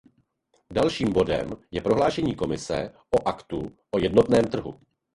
Dalším bodem je prohlášení Komise o Aktu o jednotném trhu.